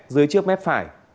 dưới trước mép phải